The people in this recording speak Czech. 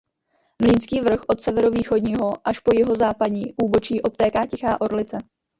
Mlýnský vrch od severovýchodního až po jihozápadní úbočí obtéká Tichá Orlice.